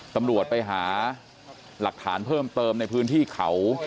ตำรวจไปหาหลักฐานเพิ่มเติมในพื้นที่เขา